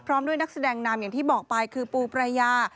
ด้วยนักแสดงนำอย่างที่บอกไปคือปูปรายา